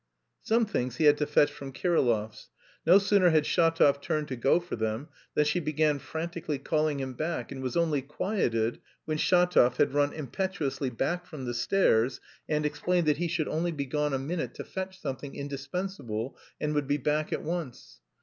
Some things he had to fetch from Kirillov's. No sooner had Shatov turned to go for them than she began frantically calling him back and was only quieted when Shatov had rushed impetuously back from the stairs, and explained that he should only be gone a minute to fetch something indispensable and would be back at once.